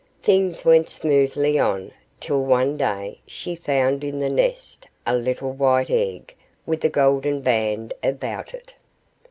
Things went smoothly on, till one day she found in the nest a little white egg, with a golden band about it.